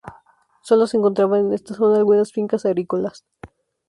Solo se encontraban en esta zona algunas fincas agrícolas.